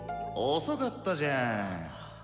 遅かったじゃん。